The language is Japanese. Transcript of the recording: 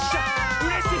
うれしい！